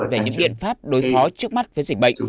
về những biện pháp đối phó trước mắt với dịch bệnh